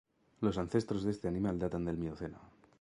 Los ancestros de este animal datan del Mioceno.